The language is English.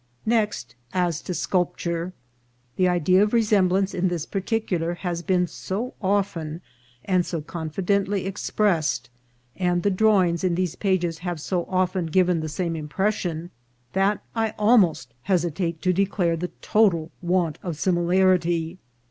Next, as to sculpture. The idea of resemblance in this particular has been so often and so confidently ex pressed, and the drawings in these pages have so often given the same impression, that I almost hesitate to de clare the total want of similarity.